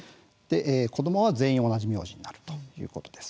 子どもは全員同じ名字になるということです。